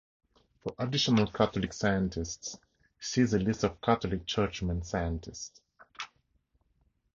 For additional Catholic scientists, see the List of Catholic churchmen-scientists.